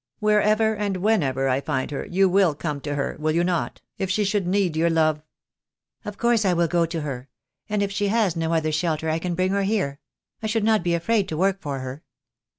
Wherever and whenever I find her you will come to her, will you not, if she should need your love?" "Of course I will go to her — and if she has no other shelter I can bring her here. I should not be afraid to work for her."